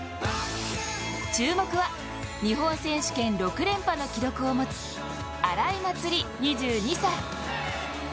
注目は日本選手権６連覇の記録を持つ荒井祭里、２２歳。